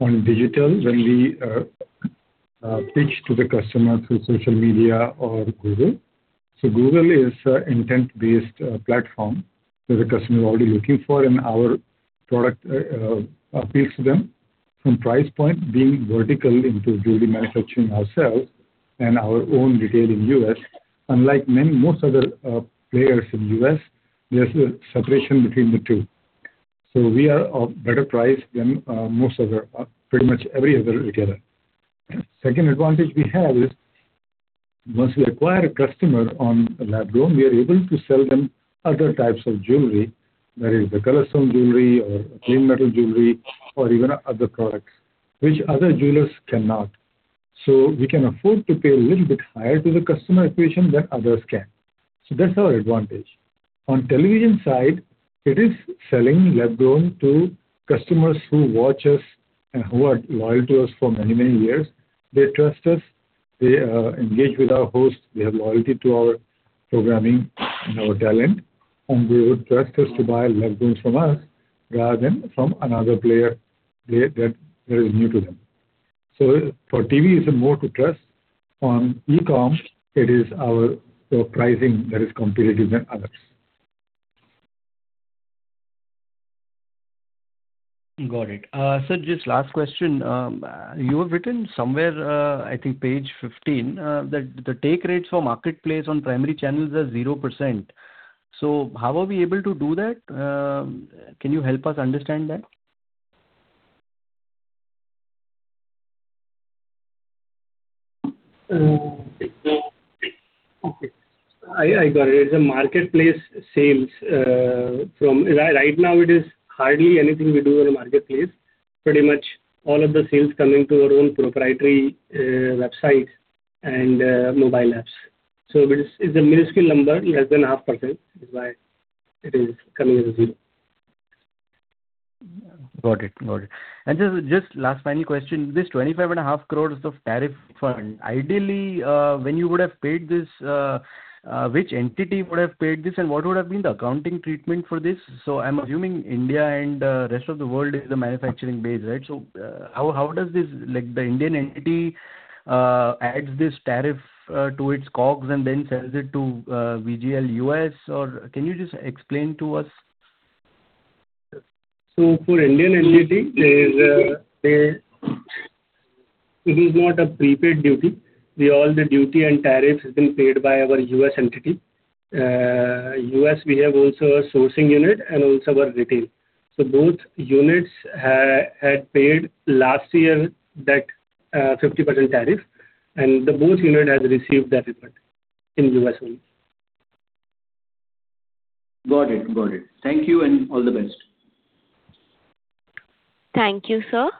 On digital, when we pitch to the customer through social media or Google. Google is an intent-based platform where the customer is already looking for and our product appeals to them. From price point, being vertical into jewelry manufacturing ourselves and our own retail in U.S. Unlike most other players in the U.S., there is a separation between the two. We are of better price than most other, pretty much every other retailer. Second advantage we have is once we acquire a customer on lab-grown, we are able to sell them other types of jewelry, that is the color stone jewelry or plain metal jewelry, or even other products, which other jewelers cannot. We can afford to pay a little bit higher to the customer acquisition than others can. That is our advantage. On television side, it is selling lab-grown to customers who watch us and who are loyal to us for many, many years. They trust us. They engage with our host. They have loyalty to our programming and our talent, and they would trust us to buy lab-grown from us rather than from another player that is new to them. For TV, it is more to trust. On e-com, it is our pricing that is competitive than others. Got it. Sir, just last question. You have written somewhere, I think page 15, that the take rates for marketplace on primary channels are 0%. How are we able to do that? Can you help us understand that? Okay. I got it. It is the marketplace sales. Right now, it is hardly anything we do on the marketplace. Pretty much all of the sales coming to our own proprietary website and mobile apps. It is a minuscule number, less than 0.5%, that is why it is coming as 0%. Got it. Just last final question. This 25.5 crore of tariff fund. Ideally, when you would have paid this, which entity would have paid this, and what would have been the accounting treatment for this? I am assuming India and the rest of the world is the manufacturing base, right? How does this, like the Indian entity adds this tariff to its COGS and then sells it to VGL U.S., or can you just explain to us? For Indian entity, it is not a prepaid duty. All the duty and tariff has been paid by our U.S. entity. U.S., we have also a sourcing unit and also our retail. Both units had paid last year that 50% tariff, and both unit has received that refund in U.S. only. Got it. Thank you, and all the best. Thank you, sir.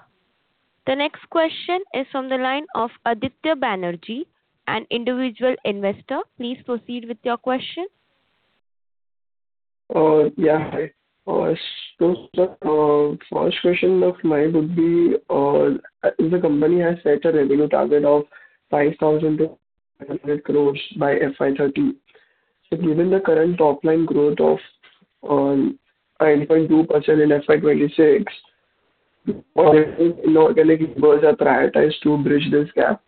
The next question is from the line of [Aditya Banerjee], an individual investor. Please proceed with your question. Yeah, hi. First question of mine would be, if the company has set a revenue target of 5,000-5,500 crore by FY 2030. Given the current top-line growth of 9.2% in FY 2026, inorganic levers are prioritized to bridge this gap?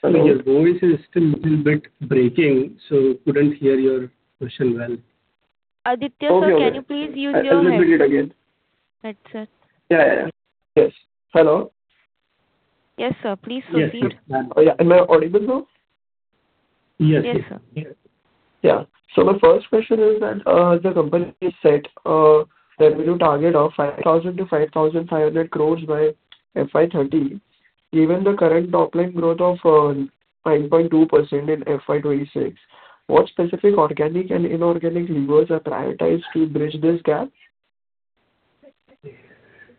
Sorry, your voice is still little bit breaking, couldn't hear your question well. Aditya, sir— Okay. —can you please use your headset? I'll repeat it again. Headset. Yeah. Yes. Hello. Yes, sir. Please proceed. Yeah. Am I audible now? Yes. Yes, sir. Yeah. The first question is that the company set a revenue target of 5,000 crore-5,500 crore by FY 2030, given the current top-line growth of 9.2% in FY 2026. What specific organic and inorganic levers are prioritized to bridge this gap?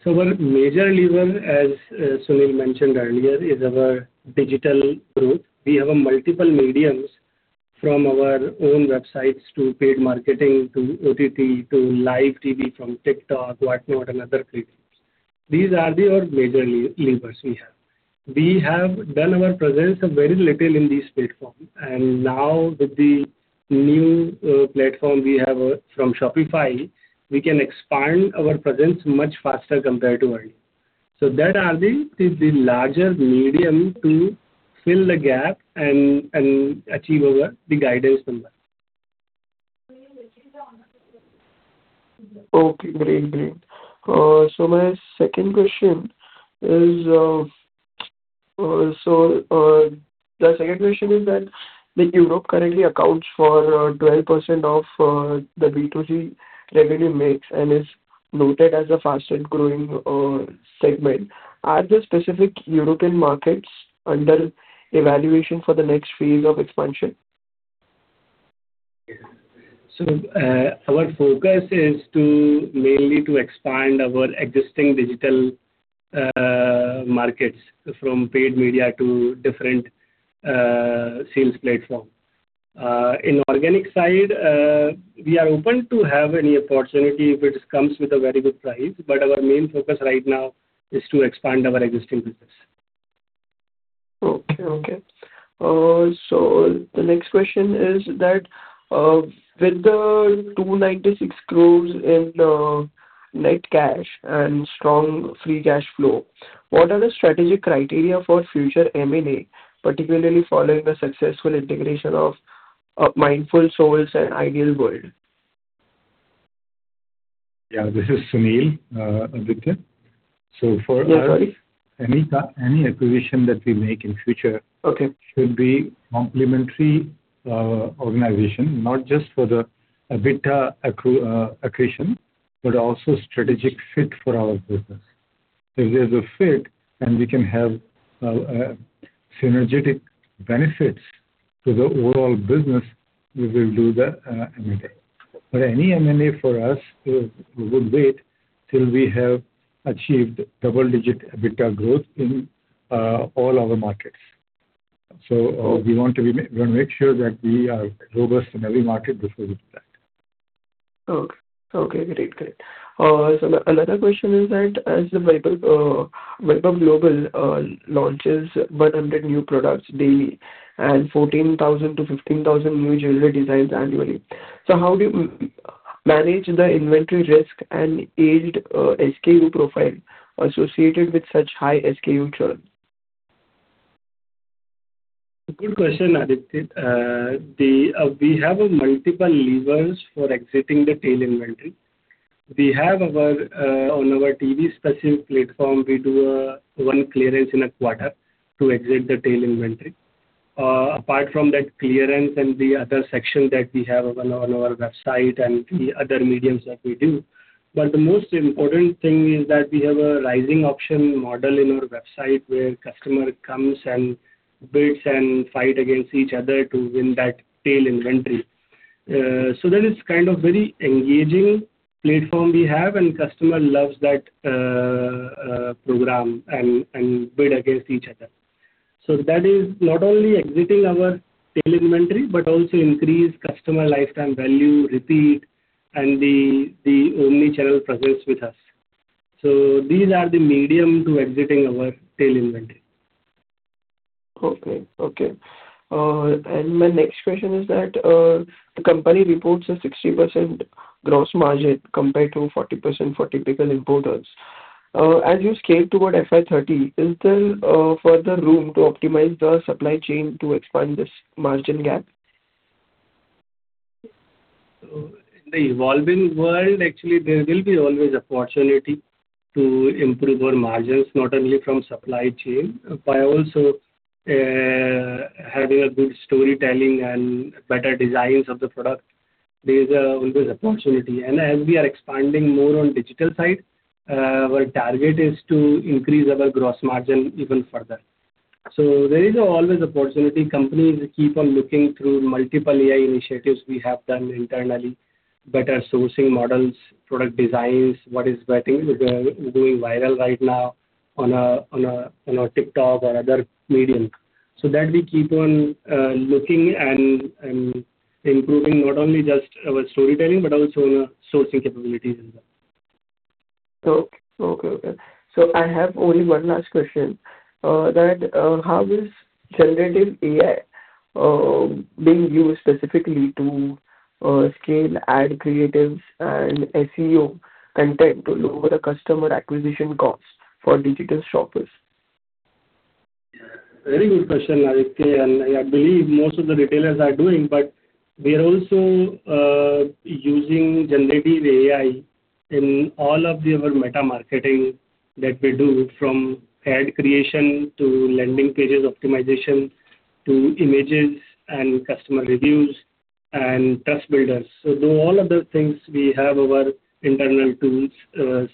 One major lever, as Sunil mentioned earlier, is our digital growth. We have multiple mediums from our own websites to paid marketing to OTT to live TV, from TikTok, whatnot, and other creatives. These are our major levers we have. We have done our presence very little in this platform. Now with the new platform we have from Shopify, we can expand our presence much faster compared to earlier. That are the larger medium to fill the gap and achieve the guidance number. Okay, great. My second question is that Europe currently accounts for 12% of the B2C revenue mix and is noted as a fastest growing segment. Are there specific European markets under evaluation for the next phase of expansion? Our focus is mainly to expand our existing digital markets from paid media to different sales platform. In organic side, we are open to have any opportunity if it comes with a very good price. Our main focus right now is to expand our existing business. Okay. The next question is that with the 296 crore in net cash and strong free cash flow, what are the strategic criteria for future M&A, particularly following the successful integration of Mindful Souls and Ideal World? Yeah, this is Sunil, Aditya. For us— Yeah, sorry. —any acquisition that we make in future— Okay. —should be complementary organization, not just for the EBITDA accretion, but also strategic fit for our business. If there's a fit and we can have synergetic benefits to the overall business, we will do the M&A. Any M&A for us, we would wait till we have achieved double-digit EBITDA growth in all our markets. We want to make sure that we are robust in every market before we do that. Okay. Great. Another question is that as Vaibhav Global launches 100 new products daily and 14,000-15,000 new jewelry designs annually, how do you manage the inventory risk and aged SKU profile associated with such high SKU churn? Good question, Aditya. We have multiple levers for exiting the tail inventory. On our TV specific platform, we do one clearance in a quarter to exit the tail inventory. Apart from that clearance and the other section that we have on our website and the other mediums that we do. The most important thing is that we have a Rising Auction model in our website where customer comes and bids and fight against each other to win that tail inventory. That is kind of very engaging platform we have and customer loves that program and bid against each other. That is not only exiting our tail inventory, but also increase customer lifetime value, repeat, and the omnichannel presence with us. These are the medium to exiting our tail inventory. Okay. My next question is that the company reports a 60% gross margin compared to 40% for typical importers. As you scale toward FY 2030, is there further room to optimize the supply chain to expand this margin gap? In the evolving world, actually, there will be always opportunity to improve our margins, not only from supply chain, by also having a good storytelling and better designs of the product. There is always opportunity. As we are expanding more on digital side, our target is to increase our gross margin even further. There is always opportunity. Companies keep on looking through multiple AI initiatives we have done internally, better sourcing models, product designs, what is working, what is doing viral right now on TikTok or other medium. That we keep on looking and improving, not only just our storytelling, but also our sourcing capabilities as well. Okay. I have only one last question. How does generative AI being used specifically to scale ad creatives and SEO content to lower the customer acquisition costs for digital shoppers? Very good question, Aditya, I believe most of the retailers are doing, we are also using generative AI in all of our meta marketing that we do from ad creation to landing pages optimization, to images and customer reviews and trust builders. Through all of the things we have our internal tools,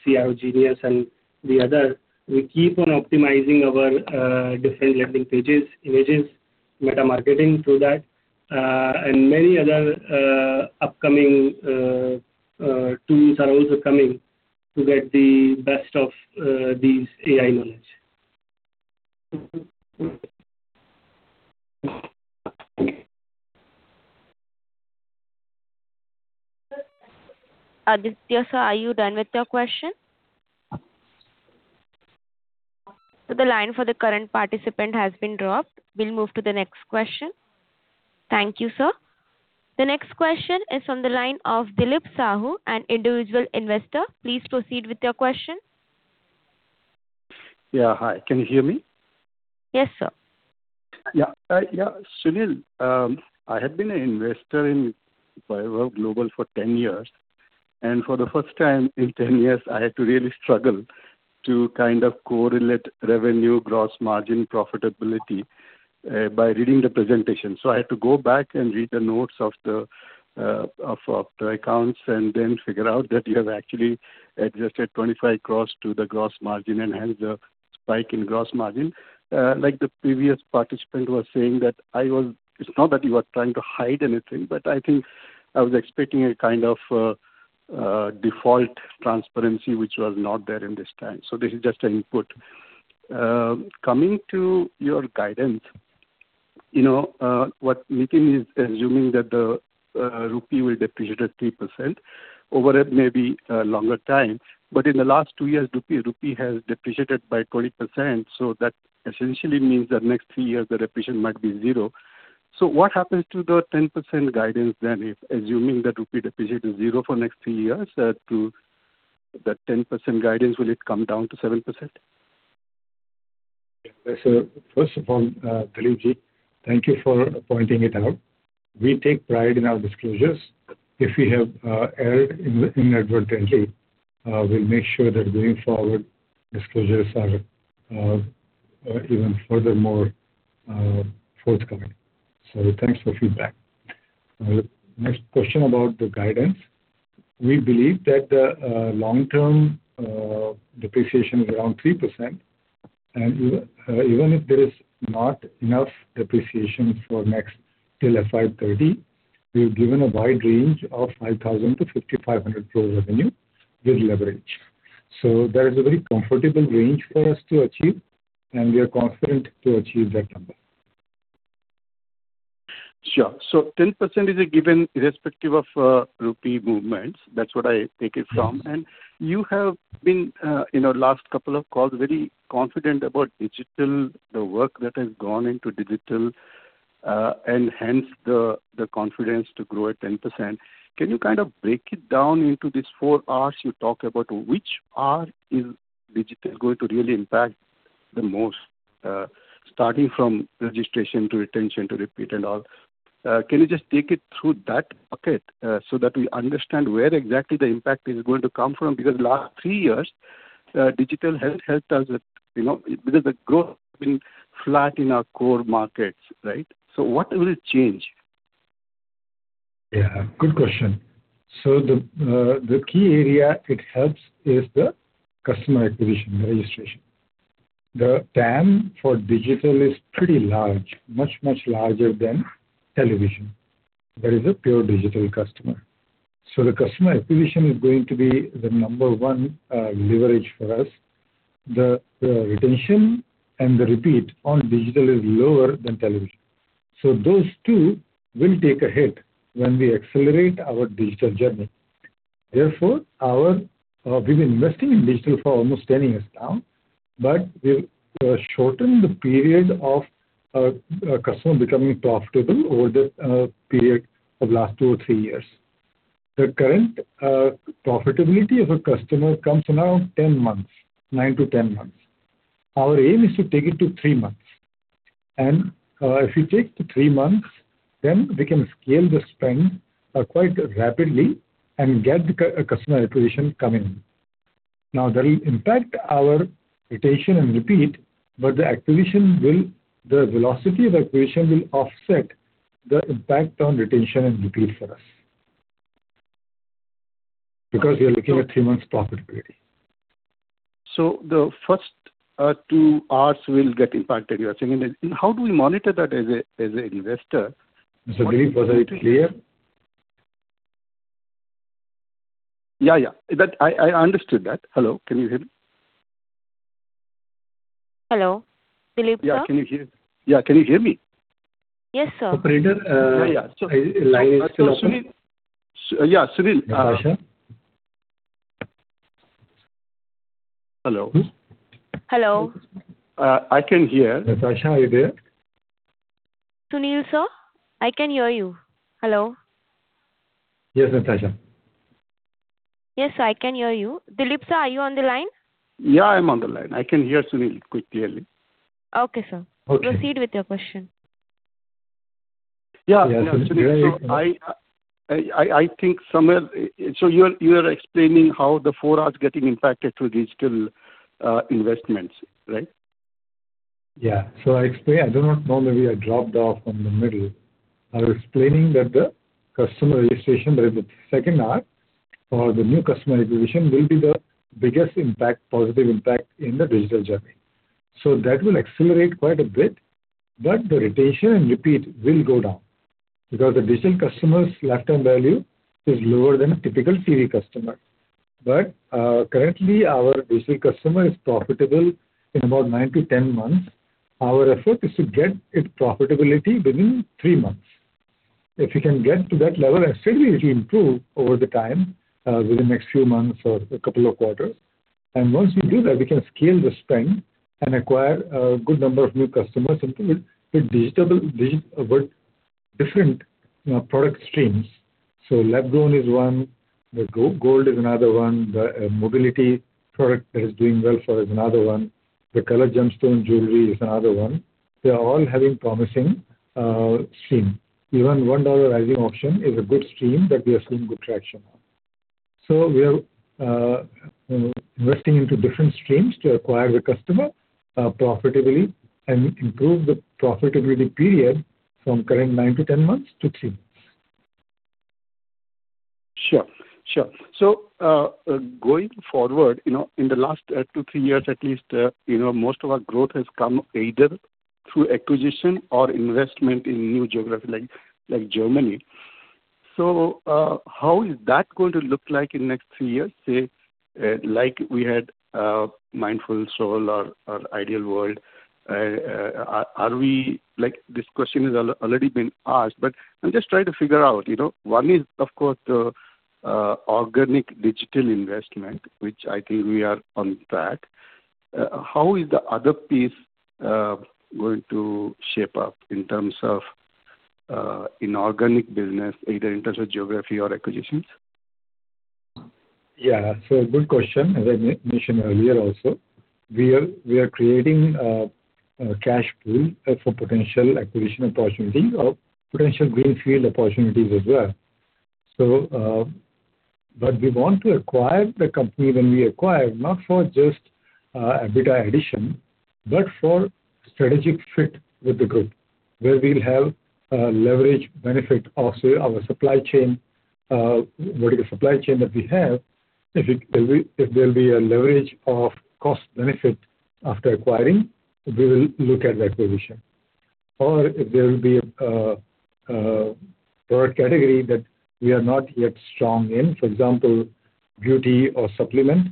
[SEOGenius] and the other, we keep on optimizing our different landing pages, images, meta marketing through that. Many other upcoming tools are also coming to get the best of these AI knowledge. Aditya, sir, are you done with your question? The line for the current participant has been dropped. We'll move to the next question. Thank you, sir. The next question is on the line of [Dilip Sahu], an individual investor. Please proceed with your question. Yeah. Hi, can you hear me? Yes, sir. Sunil, I have been an investor in Vaibhav Global for 10 years, and for the first time in 10 years, I had to really struggle to kind of correlate revenue, gross margin profitability, by reading the presentation. I had to go back and read the notes of the accounts and then figure out that you have actually adjusted 25 crore to the gross margin and hence the spike in gross margin. Like the previous participant was saying that it's not that you are trying to hide anything, but I think I was expecting a kind of default transparency, which was not there in this time. This is just an input. Coming to your guidance, what Nitin is assuming that the rupee will depreciate at 3% over a maybe a longer time. In the last two years, rupee has depreciated by 20%. That essentially means that next three years the depreciation might be zero. What happens to the 10% guidance then, if assuming that rupee depreciate to zero for next three years? That 10% guidance, will it come down to 7%? First of all, Dilip ji, thank you for pointing it out. We take pride in our disclosures. If we have erred inadvertently, we'll make sure that going forward disclosures are even furthermore forthcoming. Thanks for feedback. Next question about the guidance. We believe that the long-term depreciation is around 3%, and even if there is not enough depreciation for next till FY 2030, we've given a wide range of 5,000 crore-5,500 crore revenue with leverage. That is a very comfortable range for us to achieve, and we are confident to achieve that number. Sure. 10% is a given irrespective of rupee movements. That's what I take it from. You have been, in our last couple of calls, very confident about digital, the work that has gone into digital, and hence the confidence to grow at 10%. Can you kind of break it down into these four Rs you talk about? Which R is digital going to really impact the most, starting from registration to retention to repeat and all? Can you just take it through that bucket, so that we understand where exactly the impact is going to come from? Because last three years, digital has helped us, because the growth has been flat in our core markets, right? What will it change? Yeah, good question. The key area it helps is the customer acquisition, the registration. The TAM for digital is pretty large, much, much larger than television. That is a pure digital customer. The customer acquisition is going to be the number one leverage for us. The retention and the repeat on digital is lower than television. Those two will take a hit when we accelerate our digital journey. Therefore, we've been investing in digital for almost 10 years now, but we've shortened the period of a customer becoming profitable over the period of last two or three years. The current profitability of a customer comes in around 10 months, 9-10 months. Our aim is to take it to three months. If we take to three months, then we can scale the spend quite rapidly and get the customer acquisition come in. That will impact our retention and repeat, but the velocity of acquisition will offset the impact on retention and repeat for us. We are looking at three months profitability. The first two Rs will get impacted. How do we monitor that as a investor? Dilip, was I clear? Yeah. I understood that. Hello, can you hear me? Hello? Dilip sir. Yeah. Can you hear me? Yes, sir. Operator— Yeah. —line is still open. Yeah, Sunil. Natasha. Hello? Hello. I can hear. Natasha, are you there? Sunil sir, I can hear you. Hello? Yes, Natasha. Yes, I can hear you. Dilip sir, are you on the line? Yeah, I'm on the line. I can hear Sunil clearly. Okay, sir. Okay. Proceed with your question. Yeah, Sunil, you're explaining how the four Rs getting impacted through digital investments, right? Yeah. I explained, I do not know, maybe I dropped off from the middle. I was explaining that the customer acquisition, that is the second R, for the new customer acquisition will be the biggest positive impact in the digital journey. That will accelerate quite a bit, but the retention and repeat will go down, because the digital customer's lifetime value is lower than a typical TV customer. Currently, our digital customer is profitable in about 9-10 months. Our effort is to get it profitability within three months. If we can get to that level, I am sure we will improve over the time, within the next few months or a couple of quarters. Once we do that, we can scale the spend and acquire a good number of new customers into different product streams. Lab-grown is one, the gold is another one. The mobility product that is doing well for us is another one. The colored gemstone jewelry is another one. They are all having promising stream. Even $1 Rising Auction is a good stream that we are seeing good traction on. We are investing into different streams to acquire the customer profitability and improve the profitability period from current 9-10 months to three months. Sure. Going forward, in the last two, three years at least, most of our growth has come either through acquisition or investment in new geography like Germany. How is that going to look like in next three years, say, like we had Mindful Souls or Ideal World? This question has already been asked, but I am just trying to figure out. One is, of course, organic digital investment, which I think we are on track. How is the other piece going to shape up in terms of inorganic business, either in terms of geography or acquisitions? Yeah. Good question. As I mentioned earlier also, we are creating a cash pool for potential acquisition opportunity or potential greenfield opportunities as well. We want to acquire the company when we acquire, not for just EBITDA addition, but for strategic fit with the group, where we will have a leverage benefit of our supply chain, vertical supply chain that we have. If there will be a leverage of cost-benefit after acquiring, we will look at the acquisition. If there will be a product category that we are not yet strong in, for example, beauty or supplement,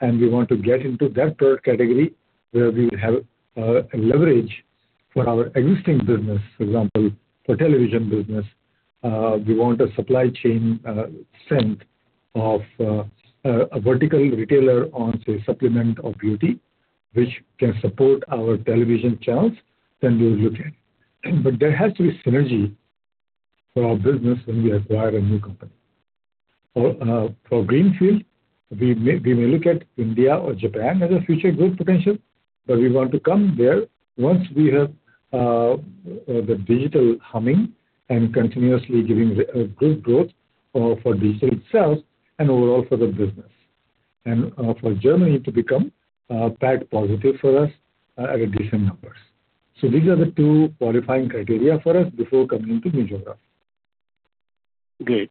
and we want to get into that product category where we have a leverage for our existing business. For example, for television business, we want a supply chain sync of a vertical retailer on, say, supplement or beauty, which can support our television channels, then we will look at it. There has to be synergy for our business when we acquire a new company. For greenfield, we may look at India or Japan as a future growth potential. We want to come there once we have the digital humming and continuously giving a good growth for digital itself and overall for the business. For Germany to become PAT positive for us at a decent numbers. These are the two qualifying criteria for us before coming into new geography. Great.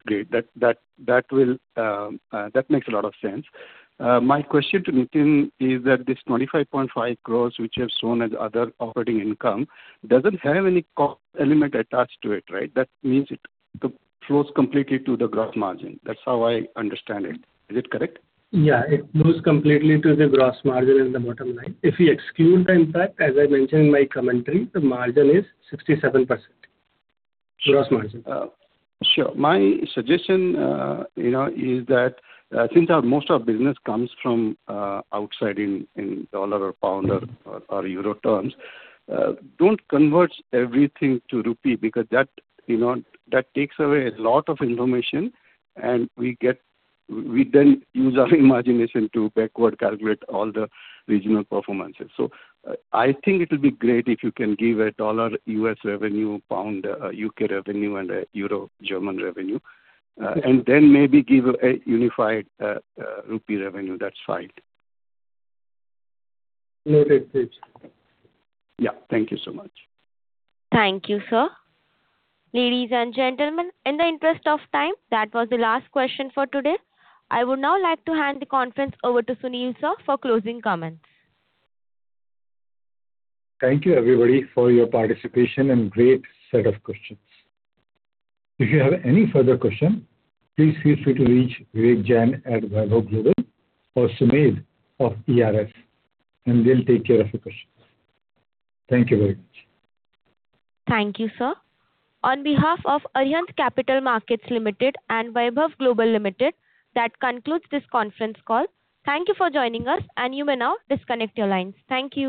That makes a lot of sense. My question to Nitin is that this 25.5 crore which you have shown as other operating income doesn't have any cost element attached to it, right? That means it flows completely to the gross margin. That's how I understand it. Is it correct? Yeah. It flows completely to the gross margin and the bottom line. If we exclude the impact, as I mentioned in my commentary, the margin is 67%, gross margin. Sure. My suggestion is that since most our business comes from outside in U.S. dollar or pound or euro terms, don't convert everything to INR, because that takes away a lot of information, and we then use our imagination to backward calculate all the regional performances. I think it'll be great if you can give a U.S. dollar revenue, pound U.K. revenue, and a euro German revenue. Then maybe give a unified INR revenue. That's fine. Noted, Dilip sir. Yeah. Thank you so much. Thank you, sir. Ladies and gentlemen, in the interest of time, that was the last question for today. I would now like to hand the conference over to Sunil sir for closing comments. Thank you everybody for your participation and great set of questions. If you have any further question, please feel free to reach Vivek Jain at Vaibhav Global or Sumedh of [Ernst], and they'll take care of your questions. Thank you very much. Thank you, sir. On behalf of Arihant Capital Markets Ltd and Vaibhav Global Limited, that concludes this conference call. Thank you for joining us, and you may now disconnect your lines. Thank you.